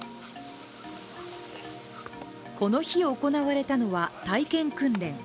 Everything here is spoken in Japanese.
この日行われたのは体験訓練。